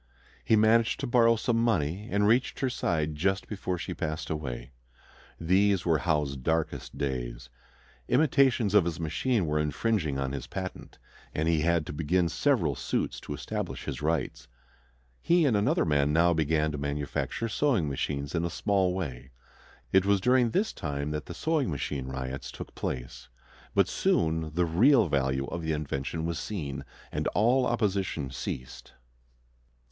He managed to borrow some money, and reached her side just before she passed away. These were Howe's darkest days. Imitations of his machine were infringing on his patent, and he had to begin several suits to establish his rights. He and another man now began to manufacture sewing machines in a small way. It was during this time that the "sewing machine riots" took place; but soon the real value of the invention was seen, and all opposition ceased.